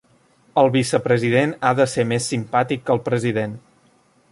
El vicepresident ha de ser més simpàtic que el president.